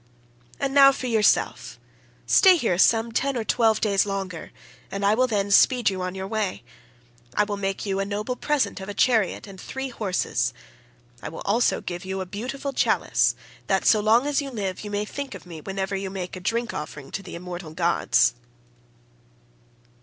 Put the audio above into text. "And now for yourself—stay here some ten or twelve days longer, and I will then speed you on your way. I will make you a noble present of a chariot and three horses. I will also give you a beautiful chalice that so long as you live you may think of me whenever you make a drink offering to the immortal gods."